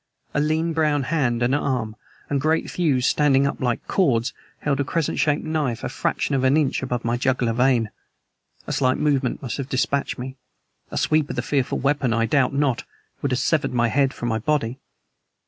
A lean, brown hand and arm, the great thews standing up like cords, held a crescent shaped knife a fraction of an inch above my jugular vein. A slight movement must have dispatched me; a sweep of the fearful weapon, I doubt not, would have severed my head from my body.